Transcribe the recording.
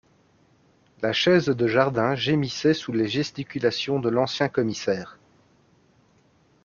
La chaise de jardin gémissait sous les gesticulations de l’ancien commissaire